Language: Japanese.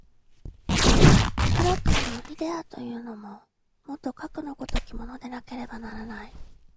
プラトンのイデヤというのも、もとかくの如きものでなければならない。